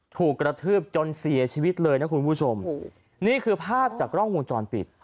ถูกกระทืบจนเสียชีวิตเลยนะคุณผู้ชมนี่คือภาพจากกล้องวงจรปิด